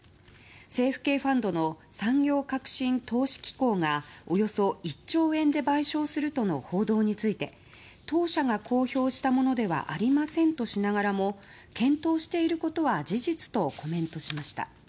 政府系ファンドの産業革新投資機構がおよそ１兆円で買収するとの報道について当社が公表したものではありませんとしながらも検討していることは事実とコメントしました。